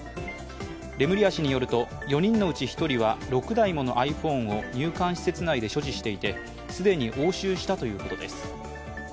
レムリヤ氏によると４人のうち１人は６台ものｉＰｈｏｎｅを入管施設内で所持していて既に押収したということです。